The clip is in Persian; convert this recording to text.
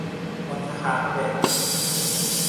متهوع